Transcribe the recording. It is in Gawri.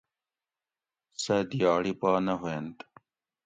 سۤہ دِیاڑی پا نہ ہوئینت